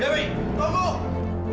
dewi tunggu anak kamu